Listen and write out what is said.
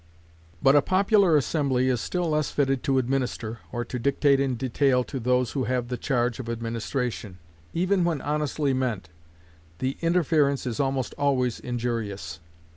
But a popular assembly is still less fitted to administer, or to dictate in detail to those who have the charge of administration. Even when honestly meant, the interference is almost always injurious.